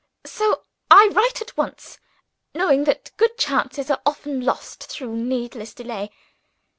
So I write at once, knowing that good chances are often lost through needless delay.